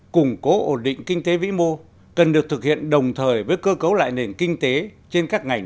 củng cố ổn định kinh tế vĩ mô cần được thực hiện đồng thời với cơ cấu lại nền kinh tế trên các ngành